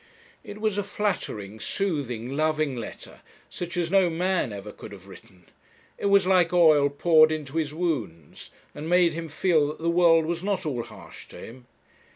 It was a flattering, soothing, loving letter, such as no man ever could have written. It was like oil poured into his wounds, and made him feel that the world was not all harsh to him.